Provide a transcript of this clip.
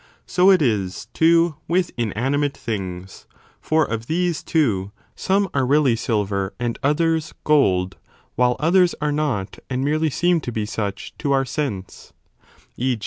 So it is, too, with inanimate things; for of these, too, some are really silver and others gold, while others are not and merely seem to be such to our sense ; e.